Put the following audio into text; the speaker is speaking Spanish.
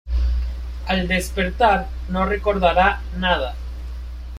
Al despertar, no recordará nada.